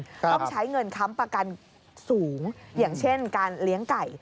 ต้องใช้เงินค้ำประกันสูงอย่างเช่นการเลี้ยงไก่